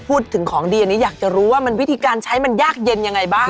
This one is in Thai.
พูดถึงของดีอันนี้อยากจะรู้ว่ามันวิธีการใช้มันยากเย็นยังไงบ้าง